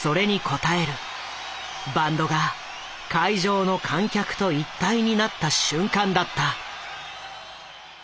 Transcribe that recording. バンドが会場の観客と一体になった瞬間だった。